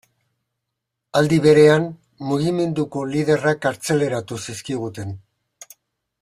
Aldi berean, mugimenduko liderrak kartzelaratu zizkiguten.